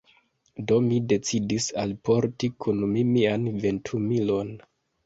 Do, mi decidis alporti kun mi mian ventumilon.